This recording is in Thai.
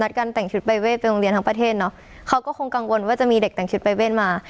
การแต่งชุดปรายเวทไปโรงเรียนทั้งประเทศเนอะเขาก็คงกังวลว่าจะมีเด็กแต่งชุดปรายเวทมา